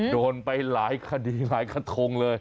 โดนไปหลายคดีหลายกระทงเลย